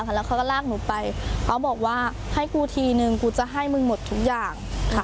แล้วเขาก็ลากหนูไปเขาบอกว่าให้กูทีนึงกูจะให้มึงหมดทุกอย่าง